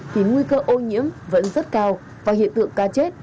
thì nguy cơ ô nhiễm vẫn rất cao và hiện tượng ca chết sẽ chưa thể chấm dứt